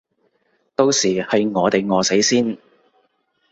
到時係我哋餓死先